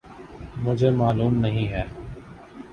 مجھے معلوم نہیں ہے۔